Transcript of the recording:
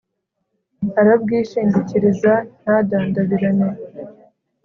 arabwishingikiriza, ntadandabirane